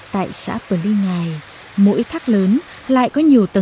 tại xã peli ngai mỗi thác lớn lại có nhiều tầng thác